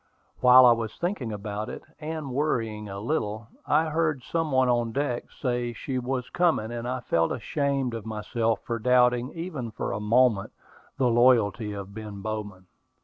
While I was thinking about it, and worrying a little, I heard some one on deck say she was coming; and I felt ashamed of myself for doubting, even for a moment, the loyalty of Ben Bowman.